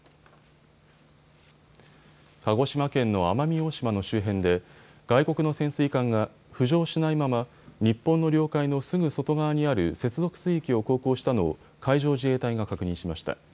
鹿児島県の奄美大島の周辺で外国の潜水艦が浮上しないまま日本の領海のすぐ外側にある接続水域を航行したのを海上自衛隊が確認しました。